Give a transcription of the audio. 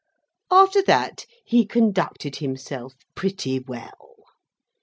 After that, he conducted himself pretty well.